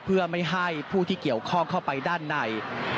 เพื่อไม่ให้ผู้ที่เกี่ยวข้องเข้าไปด้านใน